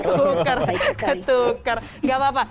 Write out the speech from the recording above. ketukar ketukar gak apa apa